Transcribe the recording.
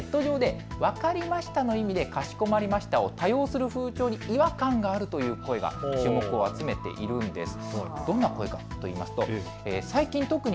今ネット上で分かりましたの意味でかしこまりましたを多用する風潮に違和感があるという声が注目を集めているんです。